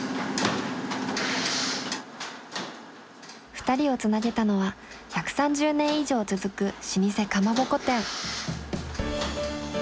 ふたりをつなげたのは１３０年以上続く老舗かまぼこ店。